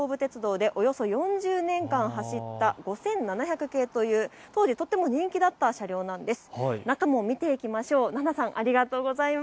昭和から平成にかけて東武鉄道でおよそ４０年間走った５７００系という当時とっても人気だった車両なんです。